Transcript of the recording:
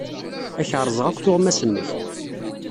Ad ak-rẓeɣ akk tuɣmas-nnek.